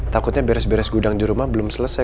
takutnya beres beres gudang di rumah belum selesai